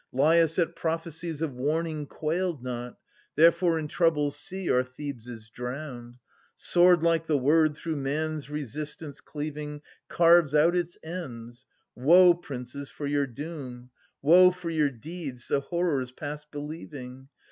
Laius at prophecies of warning quailed not ; Therefore in trouble's sea our Thebes is drowned. Swordlike the Word through man's resistance cleav ing Carves out its ends. Woe, princes, for your doom, Woe for your deeds, the horrors past believing